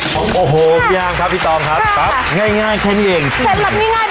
ลองไปปรับใช้ดูนะครับ